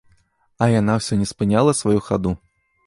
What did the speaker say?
А яна ўсё не спыняла сваю хаду.